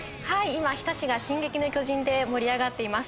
今日田市が「進撃の巨人」で盛り上がっています